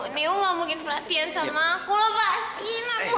neo gak mungkin perhatian sama aku loh pasti